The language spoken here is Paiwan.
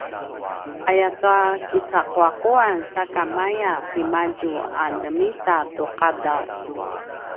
ayatua kicaquaquan sakamaya timadju a ljemita tu qadaw